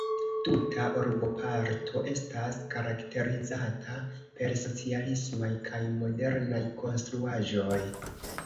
Tuta urboparto estas karakterizata per socialismaj kaj modernaj konstruaĵoj.